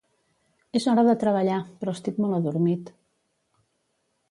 És hora de treballar, però estic molt adormit.